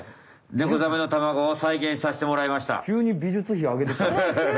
ネコザメの卵をさいげんさしてもらいました。ね！